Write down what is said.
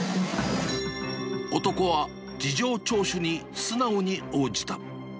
男は事情聴取に素直に応じた。